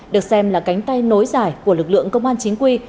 được xem là cánh tay nối dài của lực lượng công an chính quy